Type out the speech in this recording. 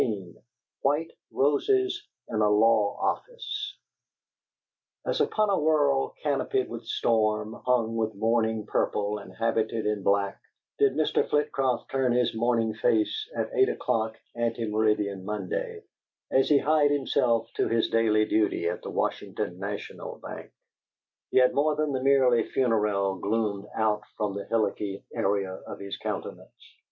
XIV WHITE ROSES IN A LAW OFFICE As upon a world canopied with storm, hung with mourning purple and habited in black, did Mr. Flitcroft turn his morning face at eight o'clock antemeridian Monday, as he hied himself to his daily duty at the Washington National Bank. Yet more than the merely funereal gloomed out from the hillocky area of his countenance.